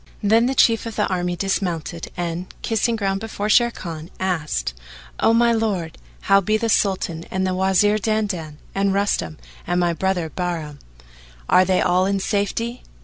Then the Chief of the army dismounted and, kissing ground before Sharrkan, asked, "O my lord, how be the Sultan and the Wazir Dandan and Rustam and my brother Bahram; are they all in safety?"